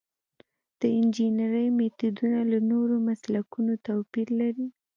د انجنیری میتودونه له نورو مسلکونو توپیر لري.